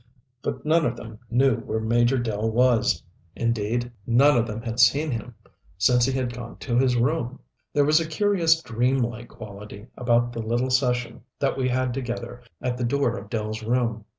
But none of them knew where Major Dell was. Indeed none of them had seen him since he had gone to his room. There was a curious, dream like quality about the little session that we had together at the door of Dell's room.